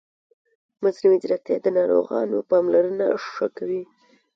مصنوعي ځیرکتیا د ناروغانو پاملرنه ښه کوي.